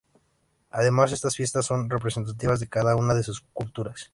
Además estas fiestas son representativas de cada una de sus culturas.